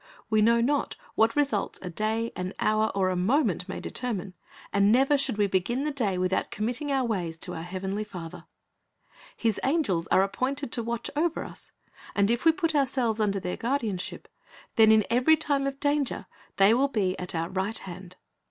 We know not what results a day, an hour, or a moment may determine, and ne\'er should we begin the day without committing our ways to our Heavenly Father. His angels are appointed to watch over us, and if we put ourselves under their guardianshij), then in every time of danger they will be at our right hand.